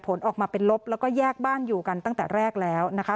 ผลออกมาเป็นลบแล้วก็แยกบ้านอยู่กันตั้งแต่แรกแล้วนะคะ